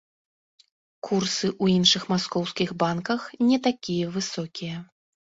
Курсы ў іншых маскоўскіх банках не такія высокія.